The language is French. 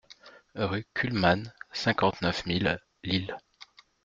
Rue Kuhlmann, cinquante-neuf mille Lille